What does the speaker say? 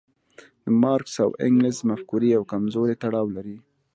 د مارکس او انګلز مفکورې یو کمزوری تړاو لري.